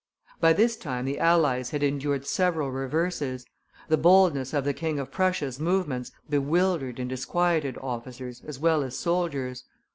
By this time the allies had endured several reverses; the boldness of the King of Prussia's movements bewildered and disquieted officers as well as soldiers.